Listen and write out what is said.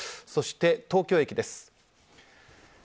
そして東京駅です。